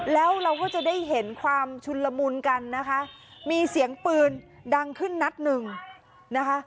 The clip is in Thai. แล้วเราก็จะได้เห็นความชุนละมุนกันนะคะมีเสียงปืนดังขึ้นนัดหนึ่งนะคะ